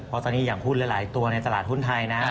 เพราะตอนนี้อย่างหุ้นหลายตัวในตลาดหุ้นไทยนะ